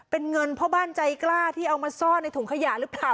เป็นเงินพ่อบ้านใจกล้าที่เอามาซ่อนในถุงขยะหรือเปล่า